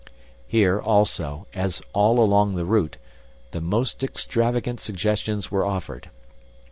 Here, also, as all along the route, the most extravagant suggestions were offered.